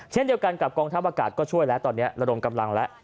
เช่นเดียวกันกับกองทัพอากาศก็ช่วยแล้วตอนนี้ระดมกำลังแล้ว